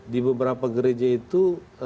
di beberapa gereja itu